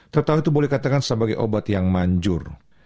total itu boleh dikatakan sebagai obat yang manjur